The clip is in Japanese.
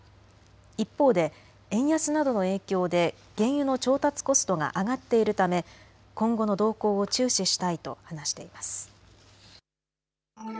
一方で円安などの影響で原油の調達コストが上がっているため今後の動向を注視したいと話しています。